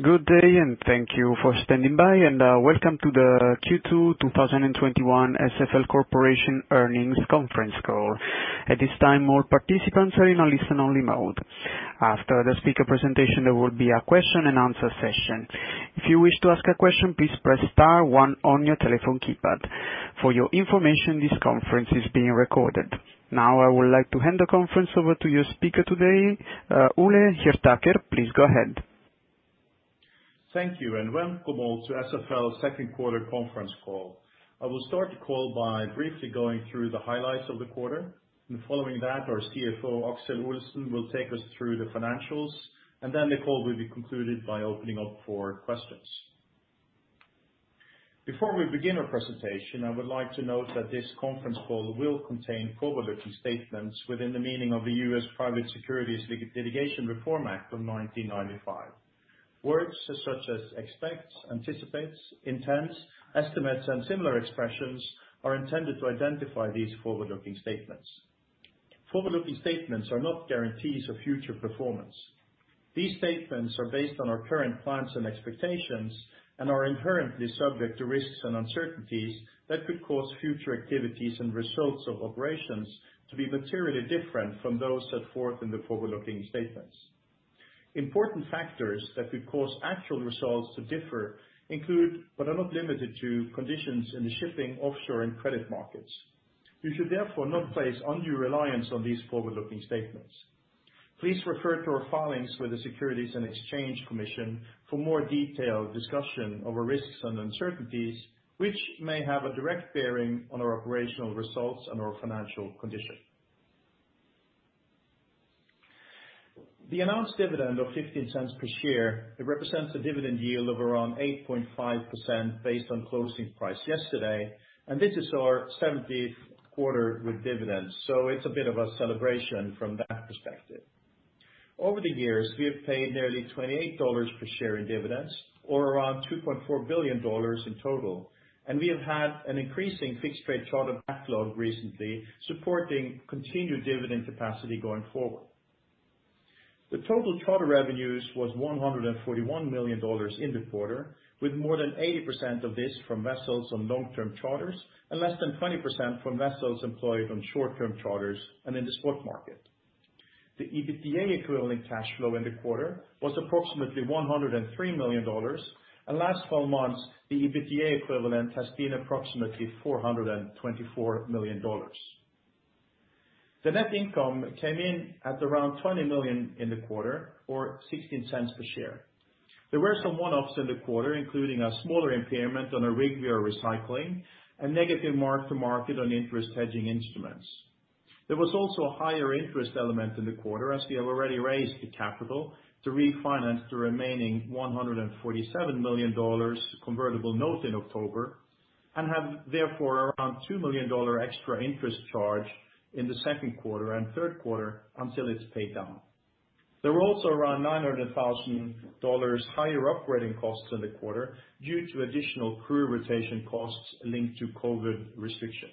Good day and thank you for standing by, and welcome to the Q2 2021 SFL Corporation earnings conference call. At this time, all participants are in a listen only mode. After the speaker presentation, there will be a question and answer session. If you wish to ask a question, please press star one on your telephone keypad. For your information, this conference is being recorded. Now, I would like to hand the conference over to your speaker today, Ole Hjertaker. Please go ahead. Thank you. Welcome all to SFL second quarter conference call. I will start the call by briefly going through the highlights of the quarter, following that our CFO, Aksel Olesen, will take us through the financials, then the call will be concluded by opening up for questions. Before we begin our presentation, I would like to note that this conference call will contain forward-looking statements within the meaning of the U.S. Private Securities Litigation Reform Act of 1995. Words such as expect, anticipate, intend, estimates, and similar expressions are intended to identify these forward-looking statements. Forward-looking statements are not guarantees of future performance. These statements are based on our current plans and expectations and are inherently subject to risks and uncertainties that could cause future activities and results of operations to be materially different from those set forth in the forward-looking statements. Important factors that could cause actual results to differ include, but are not limited to, conditions in the shipping, offshore, and credit markets. You should therefore not place undue reliance on these forward-looking statements. Please refer to our filings with the Securities and Exchange Commission for more detailed discussion of our risks and uncertainties, which may have a direct bearing on our operational results and our financial condition. The announced dividend of $0.15 per share, it represents a dividend yield of around 8.5% based on closing price yesterday, and this is our 70th quarter with dividends. It's a bit of a celebration from that perspective. Over the years, we have paid nearly $28 per share in dividends or around $2.4 billion in total, and we have had an increasing fixed-rate charter backlog recently supporting continued dividend capacity going forward. The total charter revenues was $141 million in the quarter, with more than 80% of this from vessels on long-term charters and less than 20% from vessels employed on short-term charters and in the spot market. The EBITDA equivalent cash flow in the quarter was approximately $103 million, and last 12 months, the EBITDA equivalent has been approximately $424 million. The net income came in at around $20 million in the quarter, or $0.16 per share. There were some one-offs in the quarter, including a smaller impairment on a rig we are recycling and negative mark to market on interest hedging instruments. There was also a higher interest element in the quarter as we have already raised the capital to refinance the remaining $147 million convertible note in October and have therefore around $2 million extra interest charge in the second quarter and third quarter until it's paid down. There were also around $900,000 higher operating costs in the quarter due to additional crew rotation costs linked to COVID restrictions.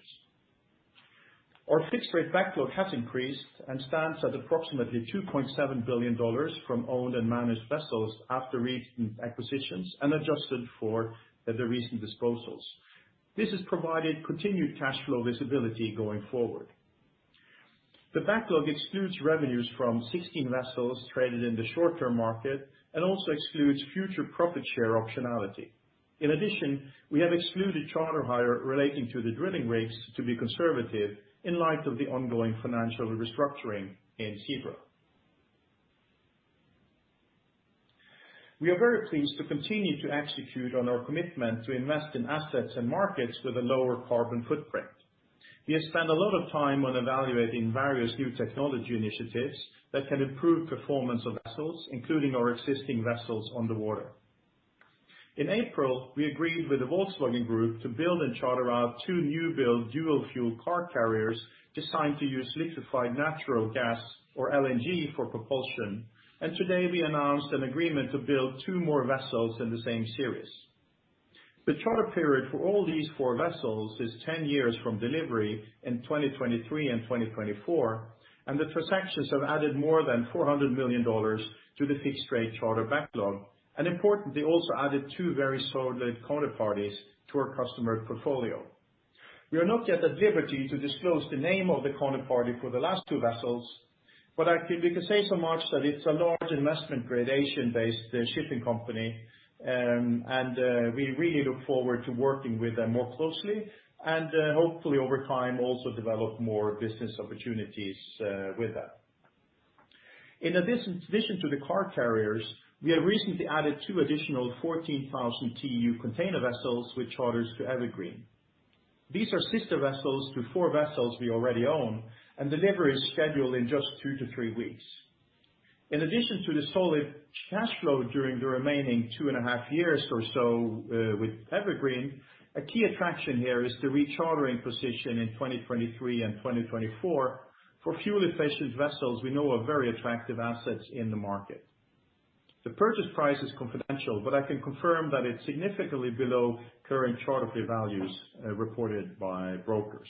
Our fixed rate backlog has increased and stands at approximately $2.7 billion from owned and managed vessels after recent acquisitions and adjusted for the recent disposals. This has provided continued cash flow visibility going forward. The backlog excludes revenues from 16 vessels traded in the short-term market and also excludes future profit share optionality. In addition, we have excluded charter hire relating to the drilling rigs to be conservative in light of the ongoing financial restructuring in Seadrill. We are very pleased to continue to execute on our commitment to invest in assets and markets with a lower carbon footprint. We have spent a lot of time on evaluating various new technology initiatives that can improve performance of vessels, including our existing vessels on the water. In April, we agreed with the Volkswagen Group to build and charter out two new build dual fuel car carriers designed to use liquified natural gas or LNG for propulsion. Today we announced an agreement to build two more vessels in the same series. The charter period for all these four vessels is 10 years from delivery in 2023 and 2024, the transactions have added more than $400 million to the fixed rate charter backlog. Importantly also added two very solid counterparties to our customer portfolio. We are not yet at liberty to disclose the name of the counterparty for the last two vessels, I think we can say so much that it's a large investment grade Asian-based shipping company. We really look forward to working with them more closely and hopefully over time, also develop more business opportunities with that. In addition to the car carriers, we have recently added two additional 14,000 TEU container vessels with charters to Evergreen. These are sister vessels to four vessels we already own, and delivery is scheduled in just two to three weeks. In addition to the solid cash flow during the remaining two and a half years or so with Evergreen, a key attraction here is the rechartering position in 2023 and 2024 for fuel efficient vessels we know are very attractive assets in the market. The purchase price is confidential, but I can confirm that it's significantly below current charter values reported by brokers.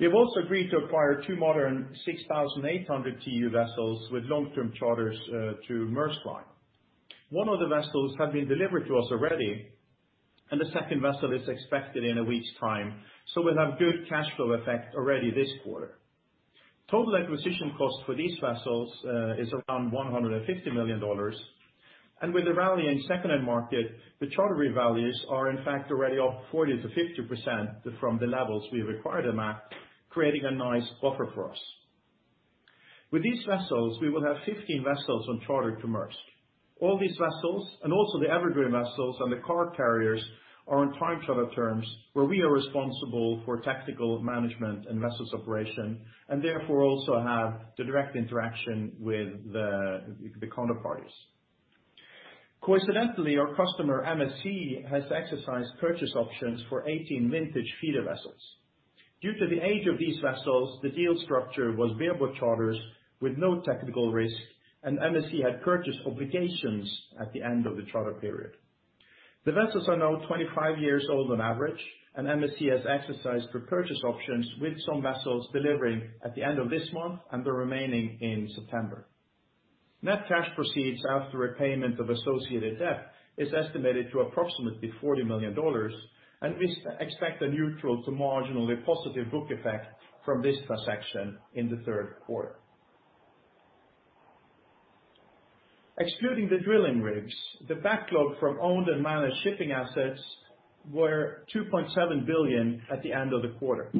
We have also agreed to acquire two modern 6,800 TEU vessels with long-term charters to Maersk Line. One of the vessels have been delivered to us already, and the second vessel is expected in a week's time, we'll have good cash flow effect already this quarter. Total acquisition cost for these vessels is around $150 million. With the rally in second-hand market, the charter revalues are in fact already up 40%-50% from the levels we've acquired them at, creating a nice buffer for us. With these vessels, we will have 15 vessels on charter to Maersk. All these vessels, and also the Evergreen vessels and the car carriers are on time charter terms where we are responsible for tactical management and vessels operation, and therefore also have the direct interaction with the counterparties. Coincidentally, our customer MSC has exercised purchase options for 18 vintage feeder vessels. Due to the age of these vessels, the deal structure was bareboat charters with no technical risk, and MSC had purchase obligations at the end of the charter period. The vessels are now 25 years old on average. MSC has exercised repurchase options with some vessels delivering at the end of this month and the remaining in September. Net cash proceeds after repayment of associated debt is estimated to approximately $40 million, and we expect a neutral to marginally positive book effect from this transaction in the third quarter. Excluding the drilling rigs, the backlog from owned and managed shipping assets were $2.7 billion at the end of the quarter.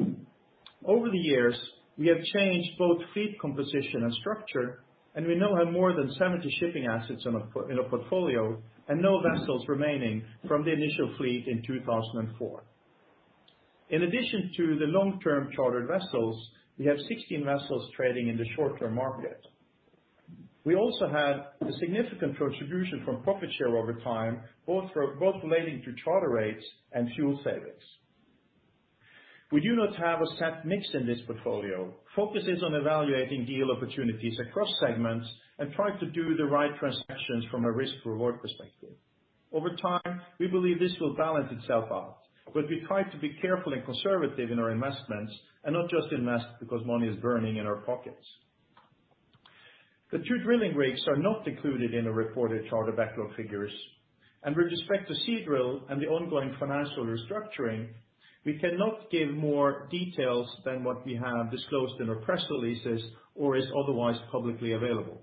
Over the years, we have changed both fleet composition and structure, and we now have more than 70 shipping assets in our portfolio and no vessels remaining from the initial fleet in 2004. In addition to the long-term chartered vessels, we have 16 vessels trading in the short-term market. We also had a significant contribution from profit share over time, both relating to charter rates and fuel savings. We do not have a set mix in this portfolio. Focus is on evaluating deal opportunities across segments and trying to do the right transactions from a risk reward perspective. Over time, we believe this will balance itself out, but we try to be careful and conservative in our investments and not just invest because money is burning in our pockets. The two drilling rigs are not included in the reported charter backlog figures. With respect to Seadrill and the ongoing financial restructuring, we cannot give more details than what we have disclosed in our press releases or is otherwise publicly available.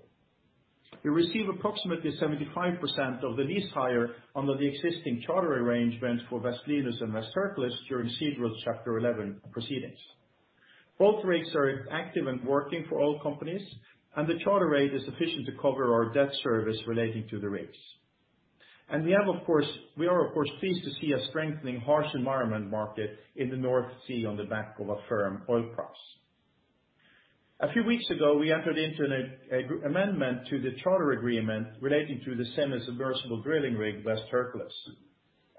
We receive approximately 75% of the lease hire under the existing charter arrangement for West Linus and West Hercules during Seadrill's Chapter 11 proceedings. Both rigs are active and working for oil companies, the charter rate is sufficient to cover our debt service relating to the rigs. We are, of course, pleased to see a strengthening harsh environment market in the North Sea on the back of a firm oil price. A few weeks ago, we entered into an amendment to the charter agreement relating to the semi-submersible drilling rig, West Hercules.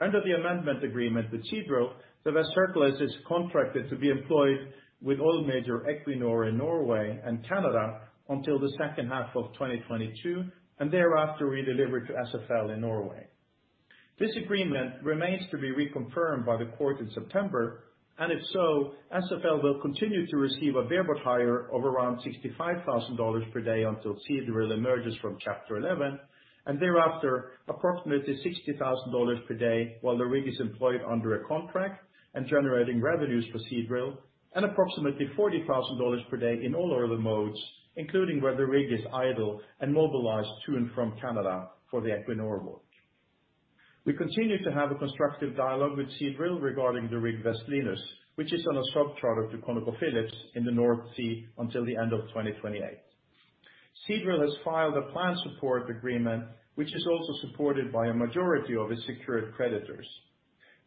Under the amendment agreement with Seadrill, the West Hercules is contracted to be employed with oil major Equinor in Norway and Canada until the second half of 2022, and thereafter redelivered to SFL in Norway. This agreement remains to be reconfirmed by the court in September, and if so, SFL will continue to receive a bareboat hire of around $65,000 per day until Seadrill emerges from Chapter 11, and thereafter, approximately $60,000 per day while the rig is employed under a contract and generating revenues for Seadrill and approximately $40,000 per day in all other modes, including where the rig is idle and mobilized to and from Canada for the Equinor work. We continue to have a constructive dialogue with Seadrill regarding the rig, West Linus, which is on a sub-charter to ConocoPhillips in the North Sea until the end of 2028. Seadrill has filed a plan support agreement, which is also supported by a majority of its secured creditors.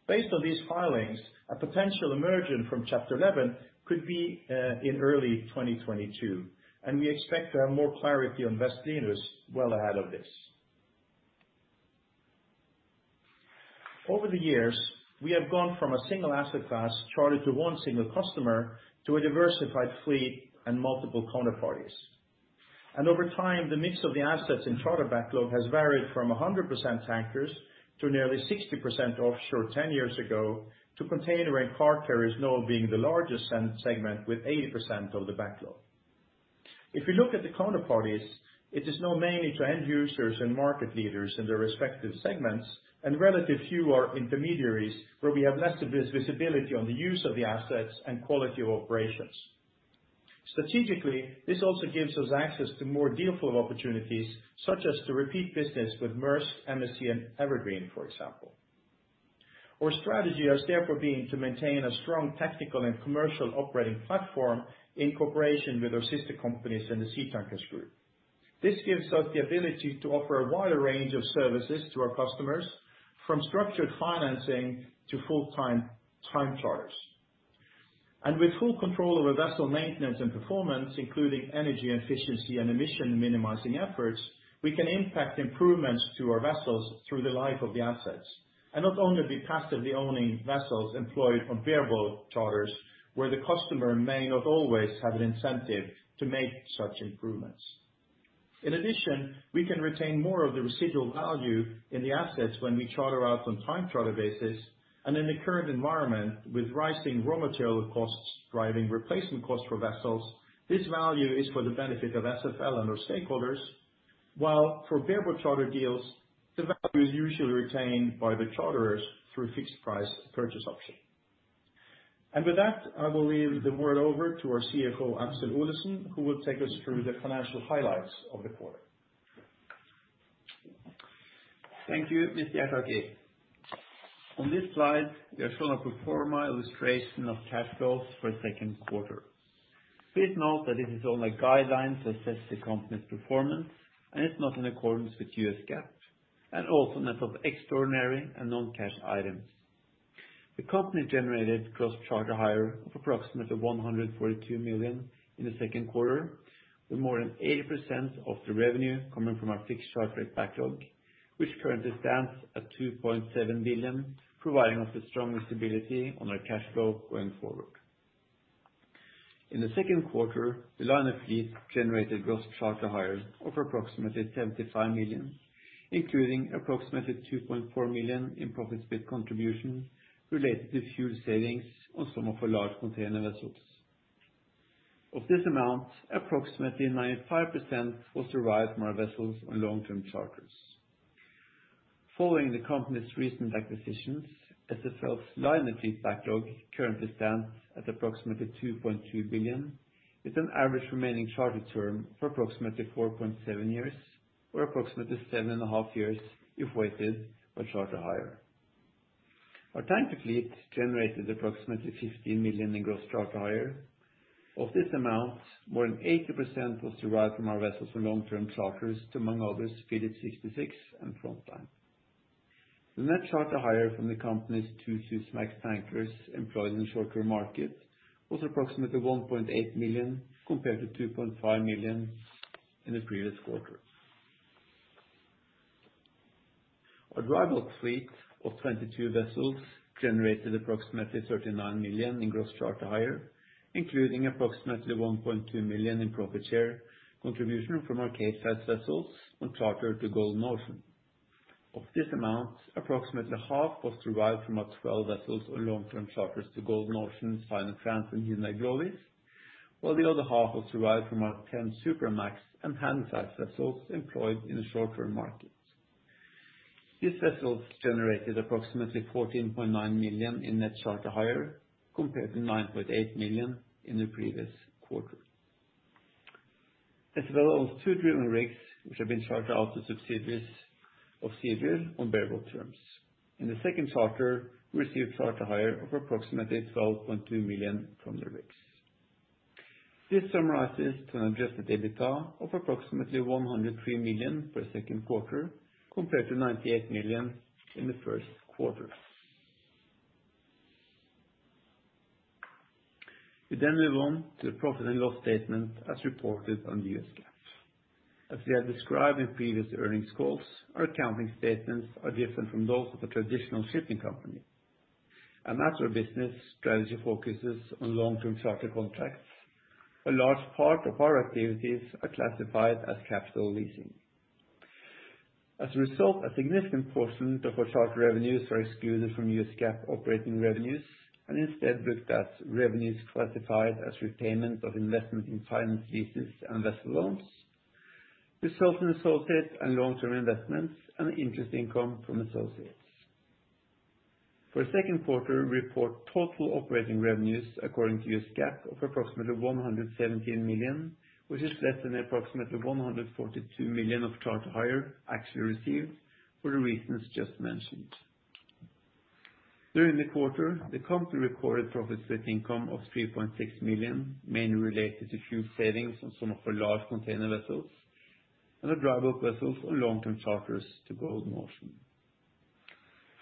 Based on these filings, a potential emergence from Chapter 11 could be in early 2022, and we expect to have more clarity on West Linus well ahead of this. Over the years, we have gone from a single asset class charter to one single customer to a diversified fleet and multiple counterparties. Over time, the mix of the assets and charter backlog has varied from 100% tankers to nearly 60% offshore 10 years ago to container and car carriers now being the largest segment with 80% of the backlog. If you look at the counterparties, it is now mainly to end users and market leaders in their respective segments and relatively few are intermediaries where we have less of this visibility on the use of the assets and quality of operations. Strategically, this also gives us access to more deal flow opportunities, such as to repeat business with Maersk, MSC, and Evergreen, for example. Our strategy has therefore been to maintain a strong tactical and commercial operating platform in cooperation with our sister companies in the Seatankers group. This gives us the ability to offer a wider range of services to our customers, from structured financing to full-time time charters. With full control over vessel maintenance and performance, including energy efficiency and emission minimizing efforts, we can impact improvements to our vessels through the life of the assets and not only be passively owning vessels employed on bareboat charters, where the customer may not always have an incentive to make such improvements. In addition, we can retain more of the residual value in the assets when we charter out on time charter basis. In the current environment with rising raw material costs driving replacement costs for vessels, this value is for the benefit of SFL and our stakeholders. While for bareboat charter deals, the value is usually retained by the charterers through fixed price purchase option. With that, I will leave the word over to our CFO, Aksel Olesen, who will take us through the financial highlights of the quarter. Thank you, Mr. Hjertaker. On this slide, we are showing a pro forma illustration of cash flows for second quarter. Please note that this is only guidelines to assess the company's performance, and it's not in accordance with U.S. GAAP, and also net of extraordinary and non-cash items. The company generated gross charter hire of approximately $142 million in the second quarter, with more than 80% of the revenue coming from our fixed charter rate backlog, which currently stands at $2.7 billion, providing us a strong stability on our cash flow going forward. In the second quarter, the liner fleet generated gross charter hire of approximately $75 million, including approximately $2.4 million in profit split contribution related to fuel savings on some of our large container vessels. Of this amount, approximately 95% was derived from our vessels on long-term charters. Following the company's recent acquisitions, SFL's liner fleet backlog currently stands at approximately $2.2 billion, with an average remaining charter term for approximately 4.7 years or approximately seven and a half years if weighted by charter hire. Our tanker fleet generated approximately $15 million in gross charter hire. Of this amount, more than 80% was derived from our vessels on long-term charters to among others, Phillips 66 and Frontline. The net charter hire from the company's two Suezmax tankers employed in the short-term market was approximately $1.8 million compared to $2.5 million in the previous quarter. Our dry bulk fleet of 22 vessels generated approximately $39 million in gross charter hire, including approximately $1.2 million in profit share contribution from Capesize vessels on charter to Golden Ocean. Of this amount, approximately half was derived from our 12 vessels on long-term charters to Golden Ocean, Sinotrans, and Hyundai Glovis, while the other half was derived from our 10 Supramax and Handysize vessels employed in the short-term market. These vessels generated approximately $14.9 million in net charter hire compared to $9.8 million in the previous quarter. SFL owns two drilling rigs, which have been chartered out to subsidiaries of Seadrill on bareboat terms. In the second charter, we received charter hire of approximately $12.2 million from the rigs. This summarizes to an adjusted EBITDA of approximately $103 million for the second quarter compared to $98 million in the first quarter. We move on to the profit and loss statement as reported on U.S. GAAP. As we have described in previous earnings calls, our accounting statements are different from those of a traditional shipping company, and as our business strategy focuses on long-term charter contracts, a large part of our activities are classified as capital leasing. As a result, a significant portion of our charter revenues are excluded from U.S. GAAP operating revenues and instead booked as revenues classified as repayment of investment in finance leases and vessel loans, with certain associates and long-term investments and interest income from associates. For the second quarter, we report total operating revenues according to U.S. GAAP of approximately $117 million, which is less than approximately $142 million of charter hire actually received for the reasons just mentioned. During the quarter, the company reported profit split income of $3.6 million, mainly related to fuel savings on some of our large container vessels and our dry bulk vessels on long-term charters to Golden Ocean.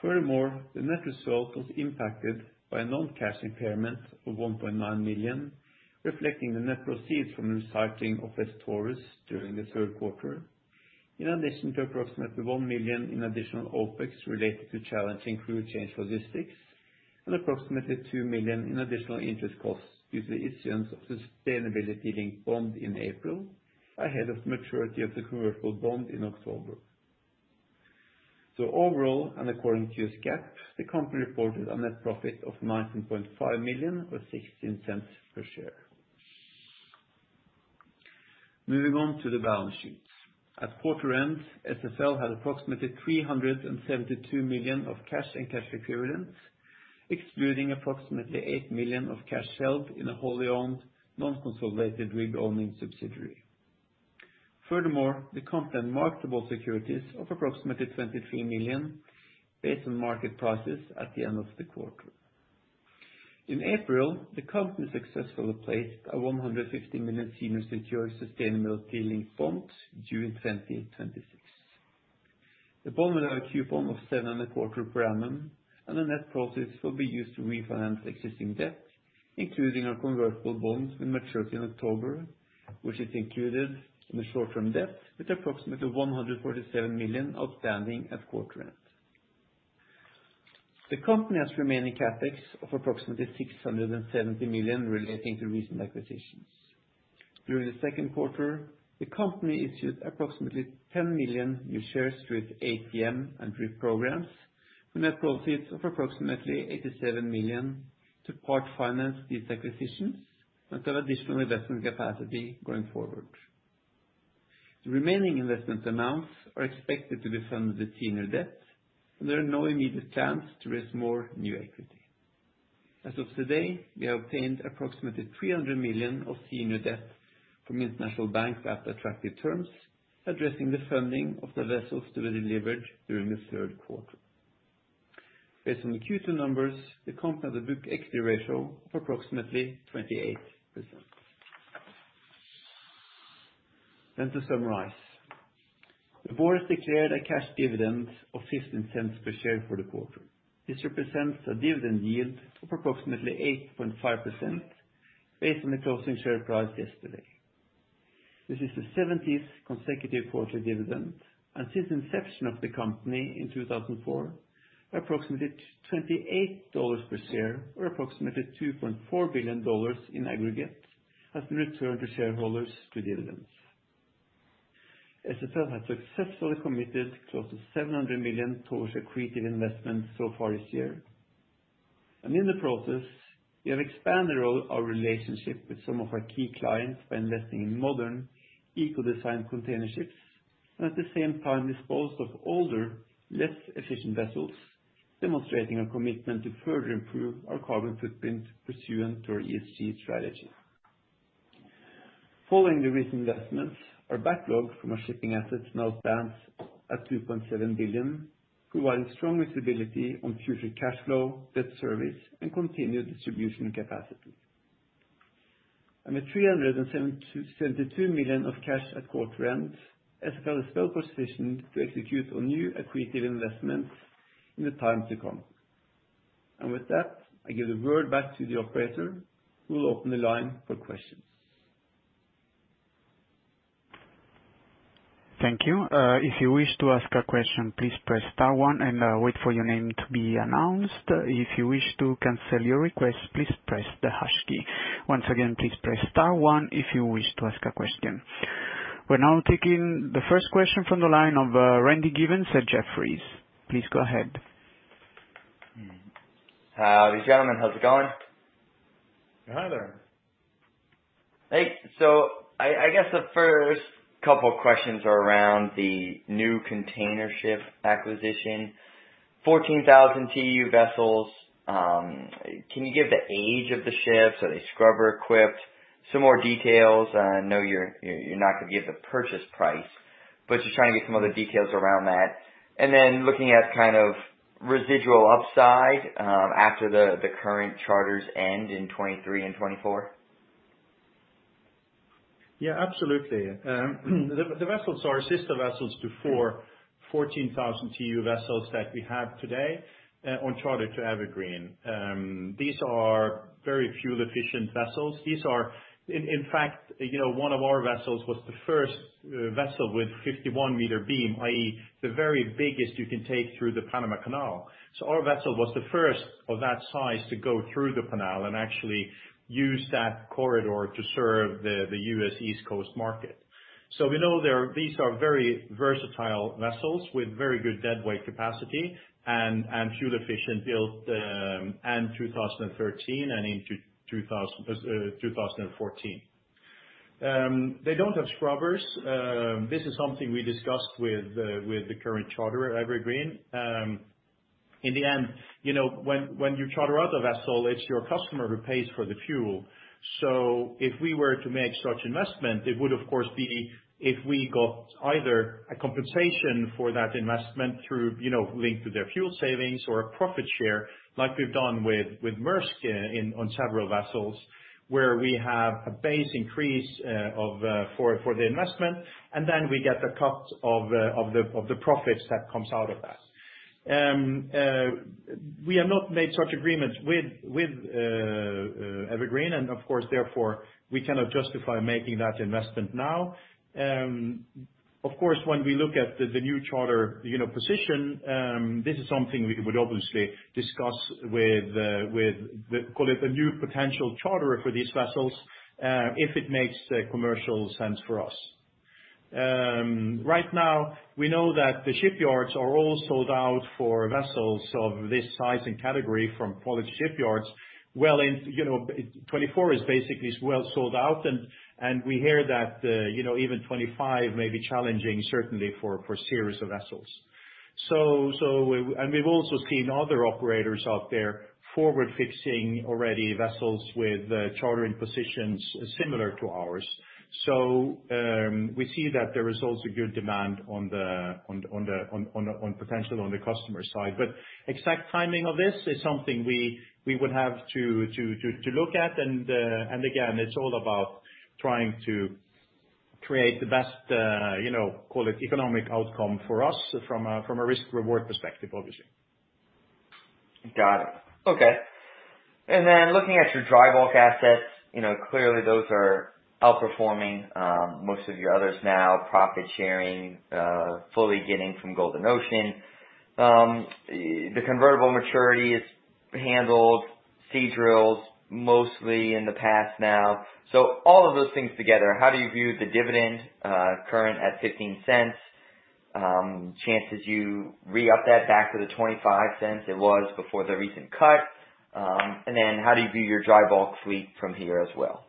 Furthermore, the net result was impacted by a non-cash impairment of $1.9 million, reflecting the net proceed from the recycling of SFL Taurus during the third quarter. In addition to approximately $1 million in additional OpEx related to challenging crew change logistics and approximately $2 million in additional interest costs due to the issuance of sustainability-linked bond in April ahead of maturity of the convertible bond in October. Overall, and according to U.S. GAAP, the company reported a net profit of $19.5 million or $0.16 per share. Moving on to the balance sheet. At quarter end, SFL had approximately $372 million of cash and cash equivalents, excluding approximately $8 million of cash held in a wholly owned non-consolidated rig owning subsidiary. Furthermore, the company had marketable securities of approximately $23 million based on market prices at the end of the quarter. In April, the company successfully placed a $150 million senior secured sustainability-linked bond due in 2026. The bond will have a coupon of 7.25 per annum, and the net proceeds will be used to refinance existing debt, including our convertible bonds with maturity in October, which is included in the short-term debt with approximately $147 million outstanding at quarter end. The company has remaining CapEx of approximately $670 million relating to recent acquisitions. During the second quarter, the company issued approximately 10 million new shares through its ATM and DRIP programs, a net profit of approximately $87 million to part finance these acquisitions and to have additional investment capacity going forward. The remaining investment amounts are expected to be funded with senior debt, and there are no immediate plans to raise more new equity. As of today, we have obtained approximately $300 million of senior debt from international banks at attractive terms, addressing the funding of the vessels that we delivered during the third quarter. Based on the Q2 numbers, the company has a book equity ratio of approximately 28%. To summarize, the board has declared a cash dividend of $0.15 per share for the quarter. This represents a dividend yield of approximately 8.5%, based on the closing share price yesterday. This is the 70th consecutive quarterly dividend. Since inception of the company in 2004, approximately $28 per share or approximately $2.4 billion in aggregate has been returned to shareholders through dividends. SFL has successfully committed close to $700 million towards accretive investments so far this year. In the process, we have expanded our relationship with some of our key clients by investing in modern eco-designed container ships, and at the same time disposed of older, less efficient vessels, demonstrating a commitment to further improve our carbon footprint pursuant to our ESG strategy. Following the recent investments, our backlog from our shipping assets now stands at $2.7 billion, providing strong visibility on future cash flow, debt service, and continued distribution capacity. With $372 million of cash at quarter end, SFL is well-positioned to execute on new accretive investments in the time to come. With that, I give the word back to the operator, who will open the line for questions. We're now taking the first question from the line of Randy Giveans at Jefferies. Please go ahead. How's it going? Hi there. I guess the first couple questions are around the new container ship acquisition, 14,000 TEU vessels. Can you give the age of the ships? Are they scrubber equipped? Some more details. I know you're not going to give the purchase price, but just trying to get some of the details around that, looking at residual upside, after the current charters end in 2023 and 2024? The vessels are sister vessels to four, 14,000 TEU vessels that we have today on charter to Evergreen. These are very fuel efficient vessels. In fact, one of our vessels was the first vessel with 51m beam, i.e., the very biggest you can take through the Panama Canal. Our vessel was the first of that size to go through the canal and actually use that corridor to serve the U.S. East Coast market. We know these are very versatile vessels with very good dead weight capacity and fuel efficient build, end 2013 and into 2014. They don't have scrubbers. This is something we discussed with the current charter, Evergreen. In the end, when you charter out a vessel, it's your customer who pays for the fuel. If we were to make such investment, it would of course be if we got either a compensation for that investment through linked to their fuel savings or a profit share like we've done with Maersk on several vessels, where we have a base increase for the investment, and then we get a cut of the profits that comes out of that. We have not made such agreements with Evergreen and, of course, therefore, we cannot justify making that investment now. When we look at the new charter position, this is something we would obviously discuss with, call it, a new potential charterer for these vessels, if it makes commercial sense for us. Right now, we know that the shipyards are all sold out for vessels of this size and category from quality shipyards. Well, 2024 is basically well sold out, and we hear that even 2025 may be challenging, certainly for a series of vessels. We've also seen other operators out there forward fixing already vessels with chartering positions similar to ours. We see that there is also good demand potentially on the customer side. Exact timing of this is something we would have to look at and again, it's all about trying to create the best, call it, economic outcome for us from a risk reward perspective, obviously. Got it. Looking at your dry bulk assets, clearly those are outperforming most of your others now, profit sharing, fully getting from Golden Ocean. The convertible maturity is handled, Seadrill mostly in the past now. All of those things together, how do you view the dividend, current at $0.15? Chances you re-up that back to the $0.25 it was before the recent cut? How do you view your dry bulk fleet from here as well?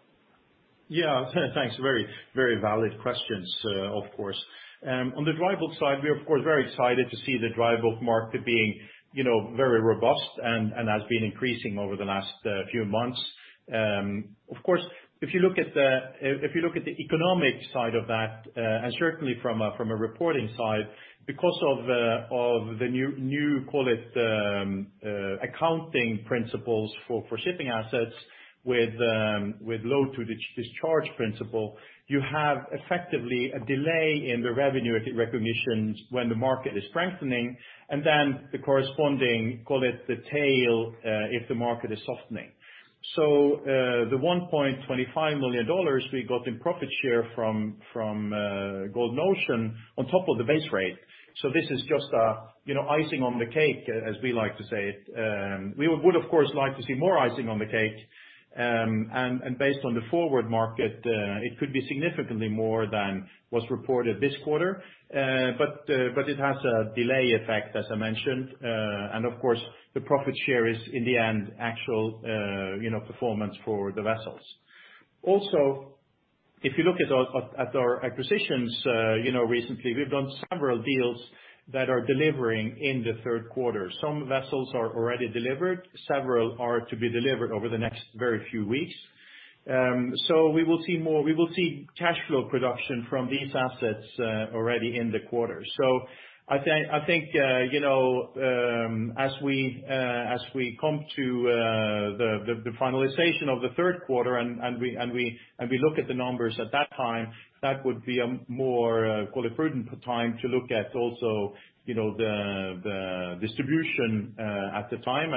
Very valid questions, of course. On the dry bulk side, we are of course very excited to see the dry bulk market being very robust and has been increasing over the last few months. If you look at the economic side of that, and certainly from a reporting side, because of the new, call it, accounting principles for shipping assets with load-to-discharge principle, you have effectively a delay in the revenue recognition when the market is strengthening, and then the corresponding, call it, the tail, if the market is softening. The $1.25 million we got in profit share from Golden Ocean on top of the base rate. This is just icing on the cake, as we like to say it. We would of course like to see more icing on the cake. Based on the forward market, it could be significantly more than was reported this quarter. It has a delay effect, as I mentioned. Of course, the profit share is in the end actual performance for the vessels. Also, if you look at our acquisitions recently, we've done several deals that are delivering in the third quarter. Some vessels are already delivered, several are to be delivered over the next very few weeks. We will see more. We will see cash flow production from these assets already in the quarter. I think, as we come to the finalization of the third quarter and we look at the numbers at that time, that would be a more prudent time to look at also the distribution at the time.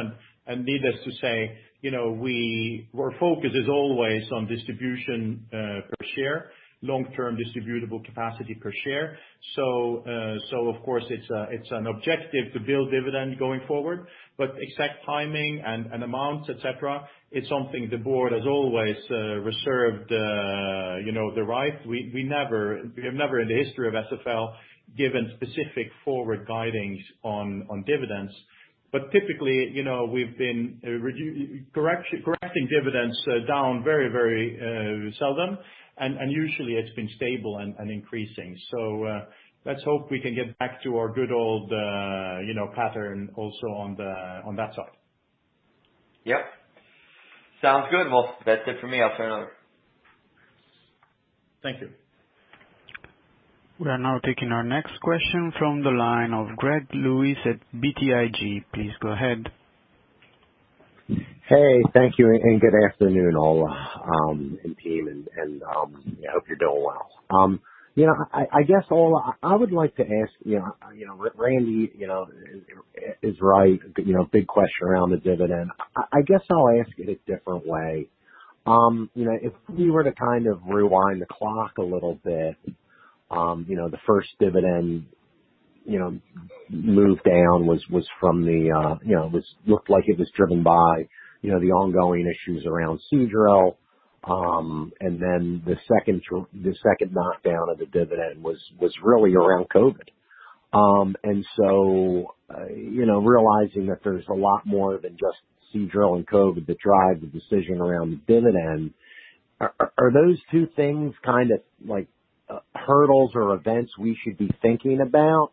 Needless to say, our focus is always on distribution per share, long-term distributable capacity per share. Of course it's an objective to build dividend going forward, but exact timing and amounts, et cetera, it's something the board has always reserved the right. We have never in the history of SFL given specific forward guiding's on dividends. Typically, we've been correcting dividends down very seldom. Usually it's been stable and increasing. Let's hope we can get back to our good old pattern also on that side. Sounds good. Well, that's it for me. I'll turn it over. Thank you. We are now taking our next question from the line of Greg Lewis at BTIG. Please go ahead. Thank you, good afternoon, Ole and team. I hope you're doing well. I guess, Ole, I would like to ask, Randy is right, big question around the dividend. I guess I'll ask it a different way. If we were to kind of rewind the clock a little bit, the first dividend move down looked like it was driven by the ongoing issues around Seadrill. The second knockdown of the dividend was really around COVID. Realizing that there's a lot more than just Seadrill and COVID that drive the decision around the dividend, are those two things kind of hurdles or events we should be thinking about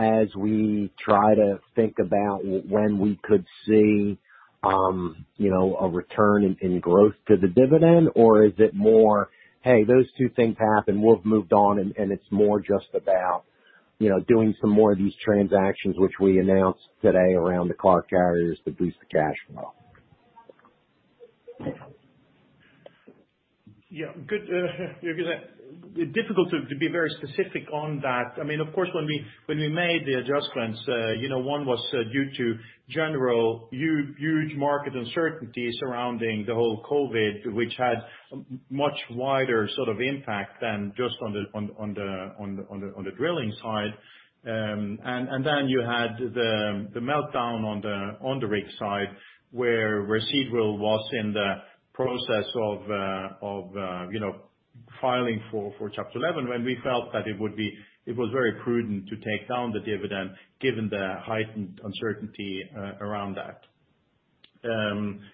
as we try to think about when we could see a return in growth to the dividend? Is it more, "Hey, those two things happened, we've moved on," and it's more just about doing some more of these transactions which we announced today around the car carriers to boost the cash flow? Difficult to be very specific on that. When we made the adjustments, one was due to general huge market uncertainty surrounding the whole COVID, which had much wider sort of impact than just on the drilling side. Then you had the meltdown on the rig side, where Seadrill was in the process of filing for Chapter 11 when we felt that it was very prudent to take down the dividend given the heightened uncertainty around that.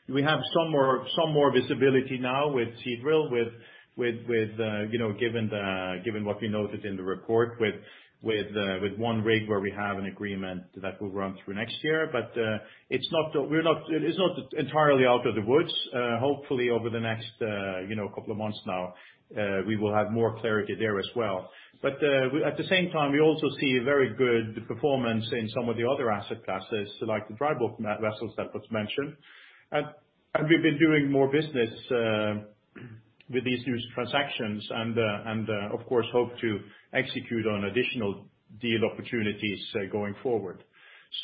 We have some more visibility now with Seadrill, given what we noted in the report with one rig where we have an agreement that will run through next year. It's not entirely out of the woods. Hopefully over the next couple of months now, we will have more clarity there as well. At the same time, we also see very good performance in some of the other asset classes, like the dry bulk vessels that was mentioned. We've been doing more business with these new transactions, and of course hope to execute on additional, deal opportunities going forward.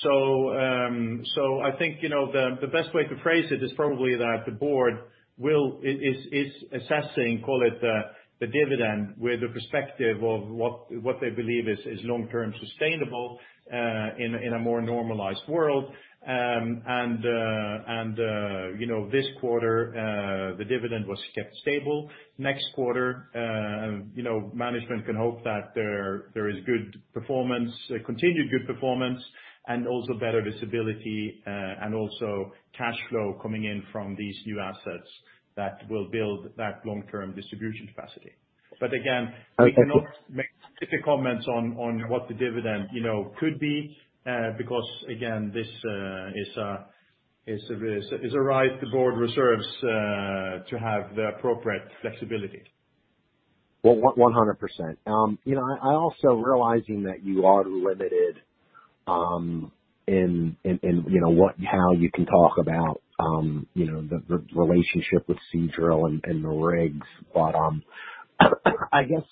I think the best way to phrase it is probably that the board is assessing, call it the dividend, with the perspective of what they believe is long-term sustainable in a more normalized world. This quarter, the dividend was kept stable. Next quarter, management can hope that there is continued good performance and also better visibility, and also cash flow coming in from these new assets that will build that long-term distribution capacity. Again, we cannot make specific comments on what the dividend could be, because again, this is a right the board reserves to have the appropriate flexibility. Well, 100%. I also realizing that you are limited in how you can talk about the relationship with Seadrill and the rigs. I guess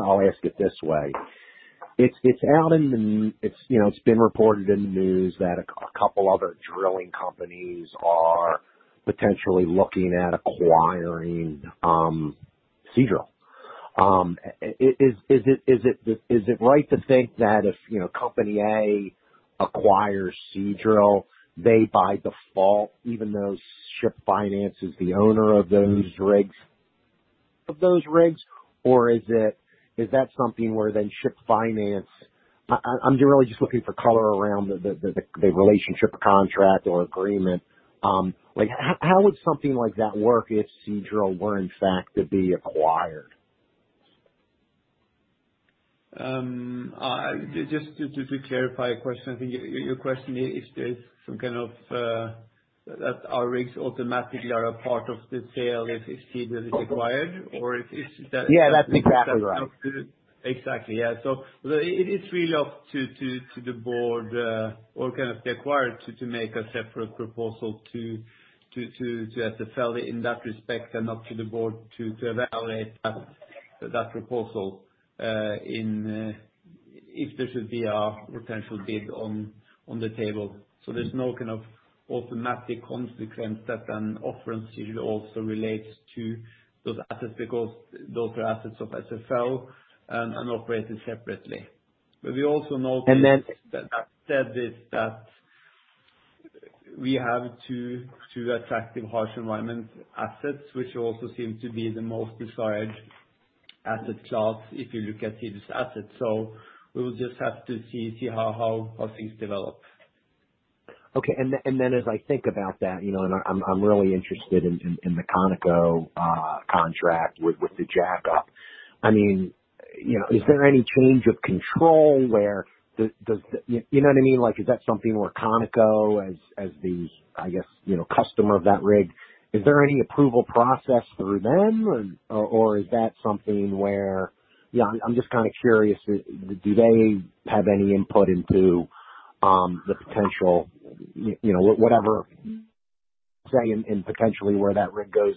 I'll ask it this way. It's been reported in the news that a couple other drilling companies are potentially looking at acquiring Seadrill. Is it right to think that if company A acquires Seadrill, they by default, even though Ship Finance is the owner of those rigs? or is that something where then Ship Finance I'm really just looking for color around the relationship or contract or agreement. How would something like that work if Seadrill were in fact to be acquired? Just to clarify your question. I think your question is if there's some kind of that our rigs automatically are a part of the sale if Seadrill is acquired? Yeah, that's exactly right. It is really up to the board, or the acquirer to make a separate proposal to SFL in that respect, and up to the board to evaluate that proposal if there should be a potential bid on the table. There's no kind of automatic consequence that an offer usually also relates to those assets because those are assets of SFL and are operated separately. That said this, that we have two attractive harsh environment assets which also seem to be the most desired asset class if you look at Seadrill's assets. We will just have to see how things develop. Okay. As I think about that, I'm really interested in the Conoco contract with the jack-up. Is there any change of control where, you know what I mean? Is that something where Conoco as the, I guess, customer of that rig, is there any approval process through them or is that something where, I'm just curious. Do they have any input into the potential, say, in potentially where that rig goes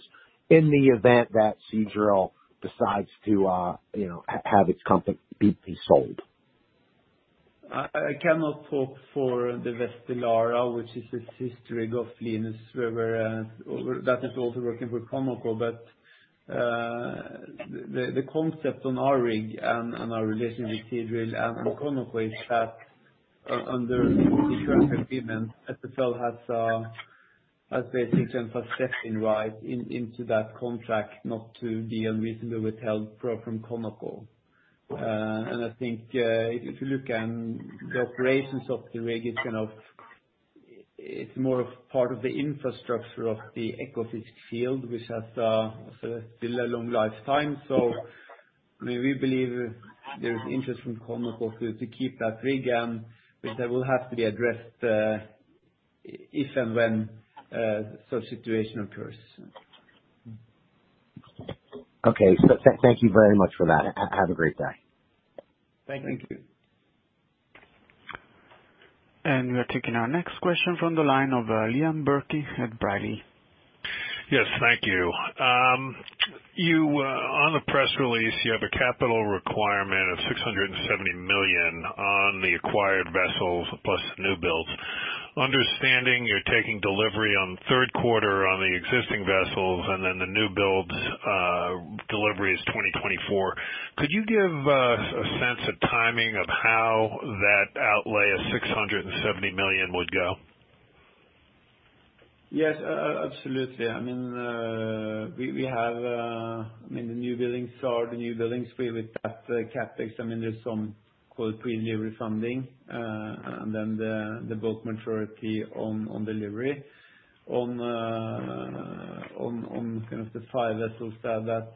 in the event that Seadrill decides to have its company be sold? I cannot talk for the West Elara, which is a sister rig of West Linus, and that is also working for Conoco. The concept on our rig and our relation with Seadrill and Conoco is that under the current agreement, SFL has basic and successive rights into that contract not to be unreasonably withheld from Conoco. I think if you look at the operations of the rig, it's more of part of the infrastructure of the Ekofisk field which has still a long lifetime. We believe there is interest from Conoco to keep that rig, and which will have to be addressed if and when such situation occurs. Okay. Thank you very much for that. Have a great day. Thank you. We are taking our next question from the line of Liam Burke at B. Riley. Yes. Thank you. On the press release, you have a capital requirement of $670 million on the acquired vessels plus new builds. Understanding you're taking delivery on third quarter on the existing vessels and then the new builds delivery is 2024. Could you give a sense of timing of how that outlay of $670 million would go? Absolutely. The new buildings with that CapEx. There's some pre-delivery funding, then the bulk maturity on delivery. On the five vessels that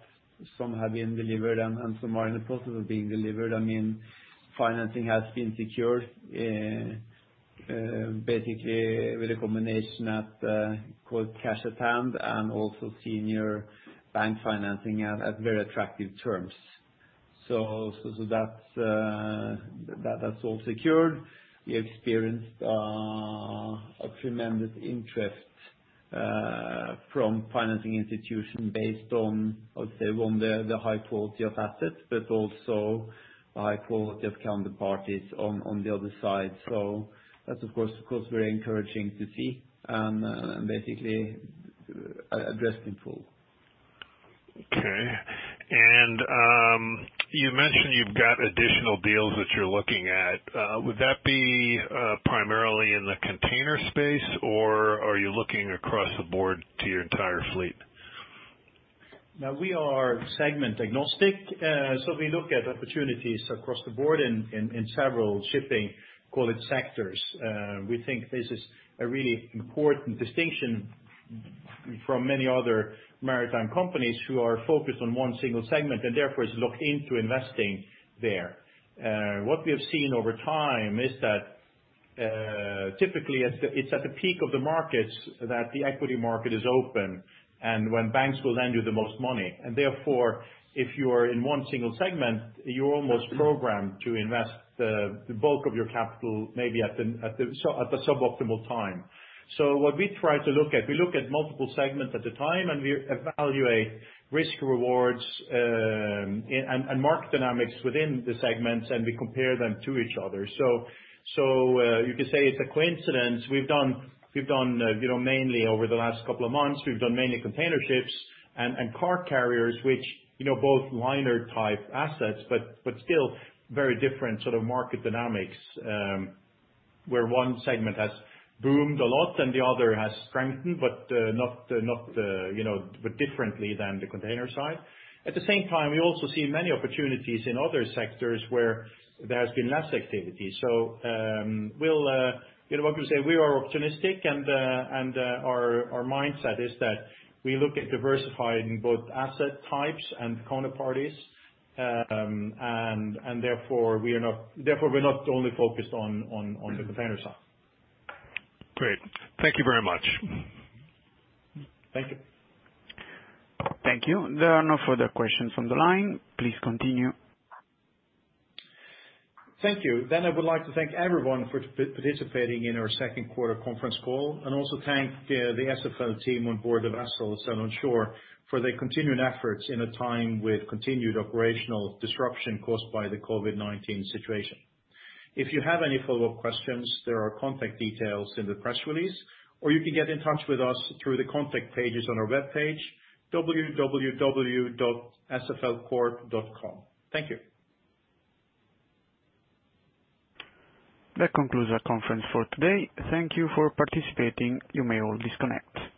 some have been delivered and some are in the process of being delivered, financing has been secured, basically with a combination of cash at hand and also senior bank financing at very attractive terms. That's all secured. We experienced a tremendous interest from financing institutions based on, I would say, the high quality of assets, also high quality of counterparties on the other side. That's, of course, very encouraging to see and basically addressed in full. You mentioned you've got additional deals that you're looking at. Would that be primarily in the container space, or are you looking across the board to your entire fleet? We are segment agnostic, we look at opportunities across the board in several shipping, call it, sectors. We think this is a really important distinction from many other maritime companies who are focused on one single segment and therefore is locked into investing there. What we have seen over time is that typically it's at the peak of the markets that the equity market is open and when banks will lend you the most money, and therefore, if you are in one single segment, you're almost programmed to invest the bulk of your capital maybe at the suboptimal time. What we try to look at, we look at multiple segments at a time, and we evaluate risk rewards, and market dynamics within the segments, and we compare them to each other. You could say it's a coincidence. Over the last couple of months, we've done mainly container ships and car carriers, which, both liner type assets, but still very different sort of market dynamics, where one segment has boomed a lot and the other has strengthened, but differently than the container side. At the same time, we also see many opportunities in other sectors where there has been less activity. What we say, we are opportunistic and our mindset is that we look at diversifying both asset types and counterparties. Therefore we're not only focused on the container side. Great. Thank you very much. Thank you. Thank you. There are no further questions on the line. Please continue. Thank you. I would like to thank everyone for participating in our second quarter conference call and also thank the SFL team on board the vessels and on shore for their continuing efforts in a time with continued operational disruption caused by the COVID-19 situation. If you have any follow-up questions, there are contact details in the press release, or you can get in touch with us through the contact pages on our webpage, www.sflcorp.com. Thank you. That concludes our conference for today. Thank you for participating. You may all disconnect.